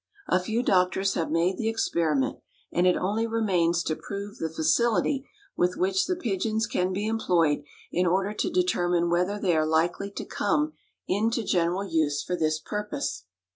A few doctors have made the experiment, and it only remains to prove the facility with which the pigeons can be employed in order to determine whether they are likely to come into general use for this purpose.